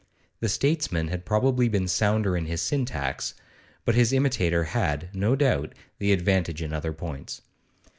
The statesman had probably been sounder in his syntax, but his imitator had, no doubt, the advantage in other points.